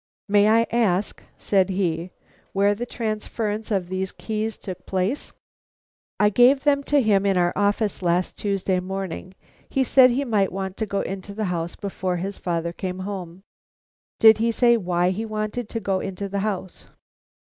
"May I ask," said he, "where the transference of these keys took place?" "I gave them to him in our office last Tuesday morning. He said he might want to go into the house before his father came home." "Did he say why he wanted to go into the house?"